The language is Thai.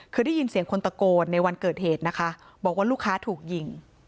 คือได้ยินเสียงคนตะโกนในวันเกิดเหตุนะคะบอกว่าลูกค้าถูกยิง